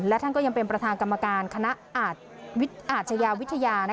และท่านก็ยังเป็นประธานกรรมการคณะอาชญาวิทยา